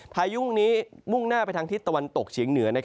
พายุนี้มุ่งหน้าไปทางทิศตะวันตกเฉียงเหนือ